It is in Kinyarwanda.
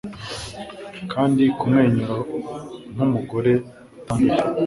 Kandi, kumwenyura nkumugore utanduye